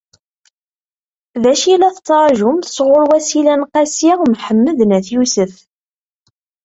D acu i la tettṛaǧumt sɣur Wasila n Qasi Mḥemmed n At Yusef?